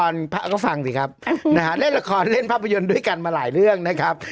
นะคะเล่นละครแลี่นภาพยนตร์ด้วยกันมาหลายเรื่องนะครับ